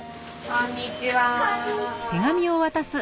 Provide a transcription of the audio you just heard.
こんにちは。